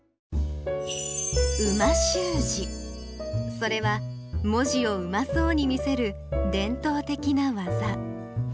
それは文字をうまそうに見せる伝統的な技。